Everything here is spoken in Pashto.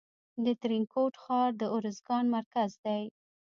د ترینکوټ ښار د ارزګان مرکز دی